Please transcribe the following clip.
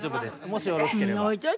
もしよろしければ。